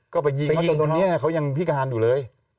ก็ไปยิงเขาจนตอนนี้เขายังพิการอยู่เลย